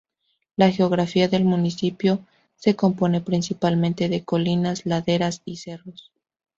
La geografía del municipio se compone, principalmente, de colinas, laderas y cerros.